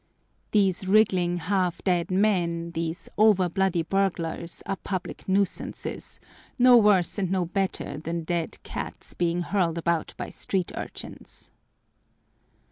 These wriggling half dead men, these over bloody burglars, are public nuisances, no worse and no better than dead cats being hurled about by street urchins.